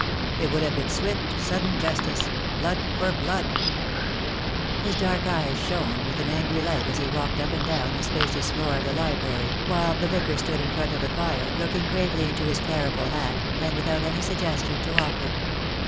It would have been swift, sudden justice — blood for blood." His dark grey eyes shone with an angry light as he walked up and down the spacious floor of the library, while the Vicar stood in front of the fire, looking gravely into his clerical hat, and without any suggestion to offer.